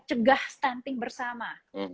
cegah stunting bersama